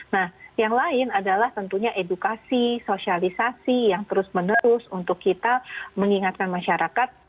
nah yang lain adalah tentunya edukasi sosialisasi yang terus menerus untuk kita mengingatkan masyarakat